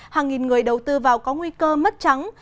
hàng nghìn người đầu tư vào có nguy cơ mất trắng